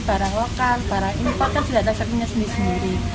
barang lokal barang impor kan sudah ada serpingnya sendiri sendiri